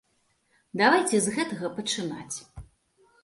Давайце з гэтага пачынаць.